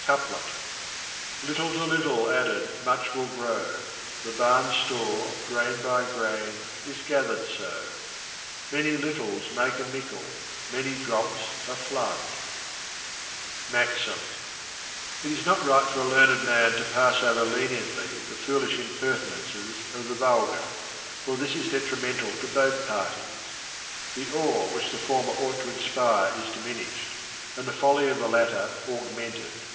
Couplet. Little to little added much will grow : The barn's store, grain by grain, is gathered so. Many littles make a mickle, many drops a flood. Digitized by Google i MAXIM. It is not right for a learned man to pass over leniently the foolish impertinences of the vulgar^ for this is det rimental to both parties: the awe which the former ought to inspire is diminished, and the folly of the latter augmented.